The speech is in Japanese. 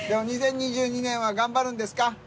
２０２２年は頑張るんですか？